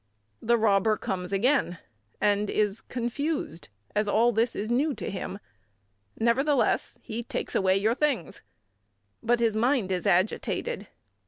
The robber comes again, and is confused, as all this is new to him; nevertheless, he takes away your things. But his mind is agitated.